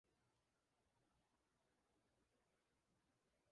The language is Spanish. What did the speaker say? El dispositivo primario controla a los secundarios.